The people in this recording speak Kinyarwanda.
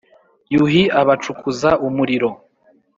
yuhi abacukuza umuriro